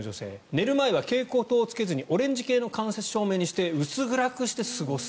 寝る前は蛍光灯をつけずにオレンジ系の間接照明にして薄暗くして過ごす。